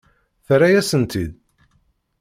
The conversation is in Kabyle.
Terra-yasen-tt-id?